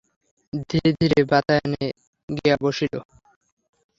ধীরে ধীরে বাতায়নে গিয়া বসিল।